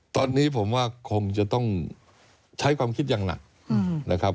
ตอนนี้ผมว่าคงจะต้องใช้ความคิดอย่างหนักนะครับ